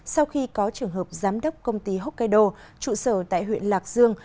sau khi có trường hợp giám đốc công ty hokkaido trụ sở tại huyện lạc dương